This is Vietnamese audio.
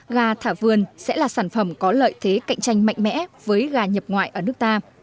gà thả vườn sẽ là sản phẩm có lợi thế cạnh tranh mạnh mẽ với gà nhập ngoại ở nước ta